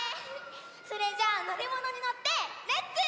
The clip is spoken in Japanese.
それじゃあのりものにのってレッツ。